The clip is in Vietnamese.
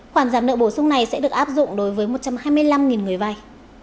khoản giảm nợ bổ sung này sẽ được áp dụng đối với một trăm hai mươi năm người vay